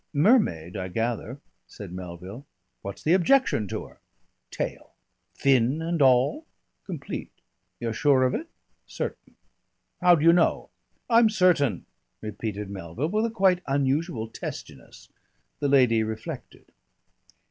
"Mermaid, I gather," said Melville. "What's the objection to her?" "Tail." "Fin and all?" "Complete." "You're sure of it?" "Certain." "How do you know?" "I'm certain," repeated Melville with a quite unusual testiness. The lady reflected.